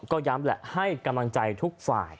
ก็ย้ำแหละให้กำลังใจทุกฝ่าย